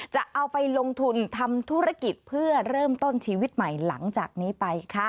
จะเอาไปลงทุนทำธุรกิจเพื่อเริ่มต้นชีวิตใหม่หลังจากนี้ไปค่ะ